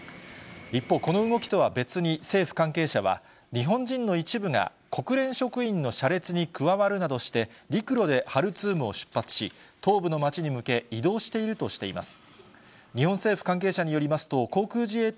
一方、この動きとは別に、政府関係者は、日本人の一部が国連職員の車列に加わるなどして、陸路でハルツームを出発し、東部の町に向け、移動しているとしています。